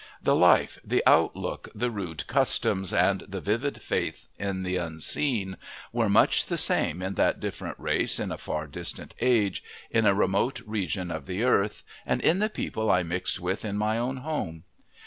The life, the outlook, the rude customs, and the vivid faith in the Unseen, were much the same in that different race in a far distant age, in a remote region of the earth, and in the people I mixed with in my own home.